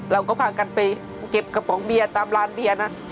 เราก็พากันไปเก็บกระป๋องเบียร์ตามร้านเบียร์นะ